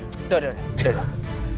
sudah sudah sudah